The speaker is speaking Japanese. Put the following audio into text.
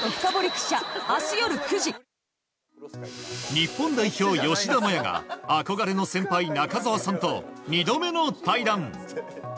日本代表、吉田麻也が憧れの先輩、中澤さんと２度目の対談。